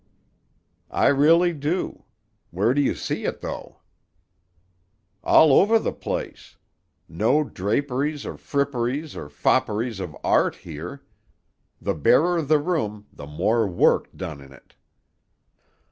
"I really do. Where do you see it, though?" "All over the place. No draperies or fripperies or fopperies of art here. The barer the room, the more work done in it."